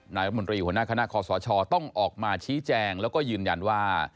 รัฐมนตรีหัวหน้าคณะคอสชต้องออกมาชี้แจงแล้วก็ยืนยันว่า